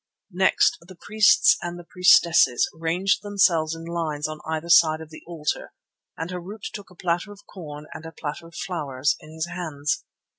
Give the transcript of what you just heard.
Next the priests and the priestesses ranged themselves in lines on either side of the altar, and Harût took a platter of corn and a platter of flowers in his hands.